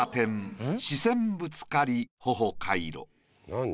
何？